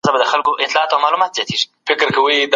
دوی هر کال خپل تولیدي پلانونه بدلول.